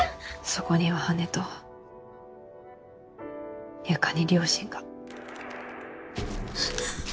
そこには姉と床に両親が。